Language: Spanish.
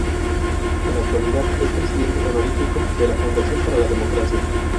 En la actualidad es Presidente honorífico de la Fundación para la Democracia.